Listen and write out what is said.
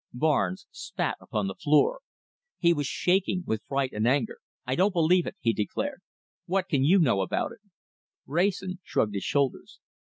Barnes spat upon the floor. He was shaking with fright and anger. "I don't believe it," he declared. "What can you know about it?" Wrayson shrugged his shoulders.